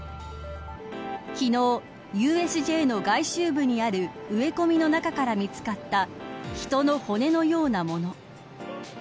昨日、ＵＳＪの外周部にある植え込みの中から見つかった人の骨のようなもの。